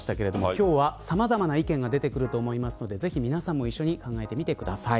今日は、さまざまな意見が出てくると思いますのでぜひ皆さんも一緒に考えてみてください。